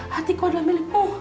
hatiku adalah milikmu